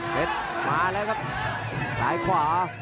อื้อหือจังหวะขวางแล้วพยายามจะเล่นงานด้วยซอกแต่วงใน